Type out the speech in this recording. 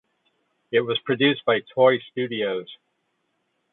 It was produced by Toei Studios.